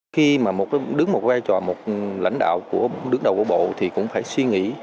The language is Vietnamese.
khi mà đứng một vai trò một lãnh đạo của đứng đầu của bộ thì cũng phải suy nghĩ